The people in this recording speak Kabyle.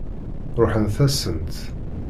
Ṛuḥent-asent.